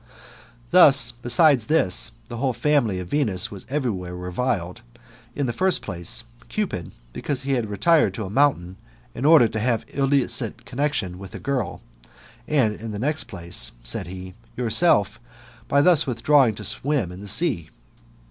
That, besides this, the whole family of Venus was every where reviled ; in the first place, Cupid, because he had retired to a mountain, in order to have illicit connexion with a girl; and, in the next place, said he, yourself, by thus with drawing to swim in the sea.